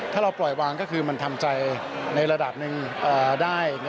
ถ้าเราปล่อยวางก็คือมันทำใจในระดับหนึ่งได้